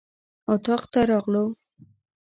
اطاق ته راغلو.